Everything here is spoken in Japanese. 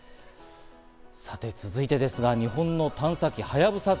さて、続いてですが日本の探査機はやぶさ２。